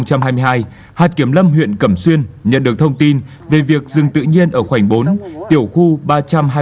ngày một mươi bảy tháng tám năm hai nghìn hai mươi hai hạt kiểm lâm huyện cẩm xuyên nhận được thông tin về việc rừng tự nhiên ở khoảnh bốn tiểu khu ba trăm hai mươi năm a